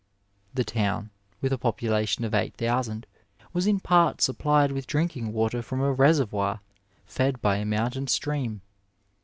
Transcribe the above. The town, with a population of eight thousand, was in part suppUed with drinking water from a reservoir fed by a mountain stream.